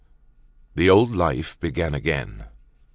The old life began again.